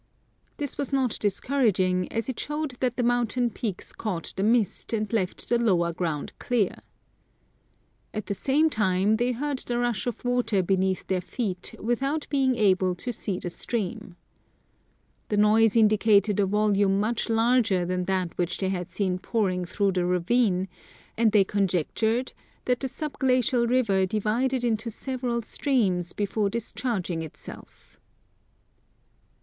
This was not dis couraging, as it showed that the mountain peaks caught the mist, and left the lower ground clear. At the same time, they heard the rush of water beneath their feet without being able to see the stream. The noise indicated a volume much larger than that which they had seen pouring through the ravine, and they conjectured that the sub glacia! river divided into several streams before discharging itself.